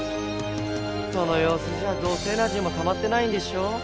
そのようすじゃどうせエナジーもたまってないんでしょ。